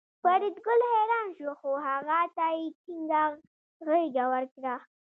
فریدګل حیران شو خو هغه ته یې ټینګه غېږه ورکړه